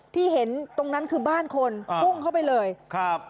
ที่เห็นตรงนั้นคือบ้านคนพุ่งเข้าไปเลยครับ